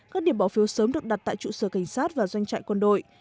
các điểm bỏ phiếu sớm được đặt tại trụ sở cảnh sát và doanh trại quân đội